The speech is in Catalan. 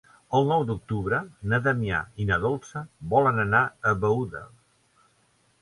El nou d'octubre na Damià i na Dolça volen anar a Beuda.